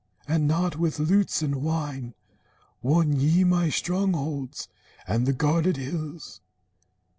And not with lutes and wine Won ye my strongholds and the guarded hills.